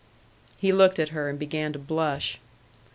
He looked at her, and began to blush.